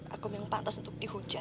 aku memang pantas untuk dihujat